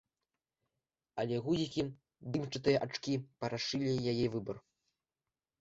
Але гузікі, дымчатыя ачкі парашылі яе выбар.